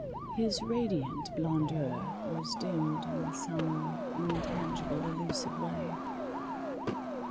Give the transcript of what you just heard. His radiant blondeur was dimmed in some intangible, elusive way.